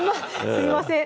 すいません